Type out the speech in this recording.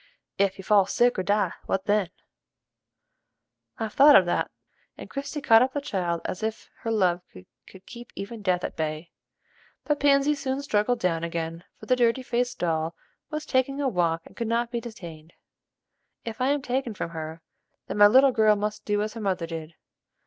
"Ef you fall sick or die, what then?" "I've thought of that," and Christie caught up the child as if her love could keep even death at bay. But Pansy soon struggled down again, for the dirty faced doll was taking a walk and could not be detained. "If I am taken from her, then my little girl must do as her mother did.